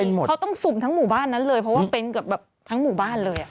เขาต้องสุ่มทั้งหมู่บ้านนั้นเลยเพราะว่าเป็นเกือบแบบทั้งหมู่บ้านเลยอ่ะ